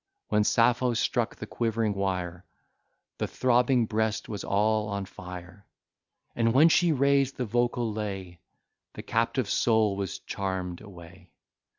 When Sappho struck the quivering wire, The throbbing breast was all on fire: And when she raised the vocal lay, The captive soul was charm'd away.